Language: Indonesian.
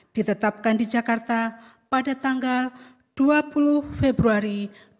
ditetapkan di jakarta pada tanggal dua puluh februari dua ribu dua puluh